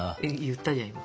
言ったじゃん